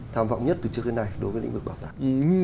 tham vọng nhất từ trước đến nay đối với lĩnh vực bảo tàng y